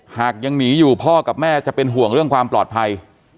หากยังหนีอยู่พ่อกับแม่จะเป็นห่วงเรื่องความปลอดภัย